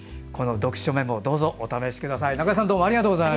読書メモどうぞお試しください。